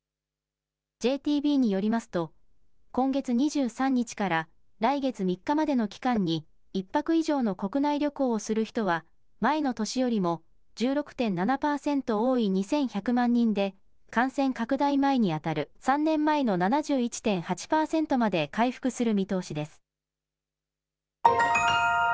ＪＴＢによりますと今月２３日から来月３日までの期間に１泊以上の国内旅行をする人は前の年よりも１６．７％多い２１００万人で感染拡大前にあたる３年前の７１．８％まで回復する見通しです。